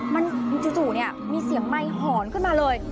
มันจู่มีเสียงไม้หอนขึ้นมาเลย